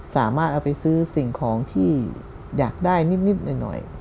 สามารถเอาไปซื้อสิ่งของที่อยากได้นิดหน่อย